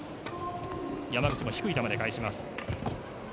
山口も低い球で返します。